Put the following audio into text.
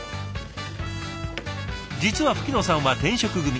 実は吹野さんは転職組。